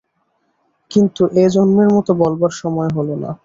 কিন্তু এ-জন্মের মতো বলবার সময় হল না।